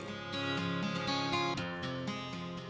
ada banyak cerita tentang apel malam